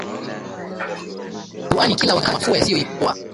puani kila wakati na mafua yasiyo pona